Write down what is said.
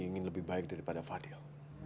ingin lebih baik daripada fadil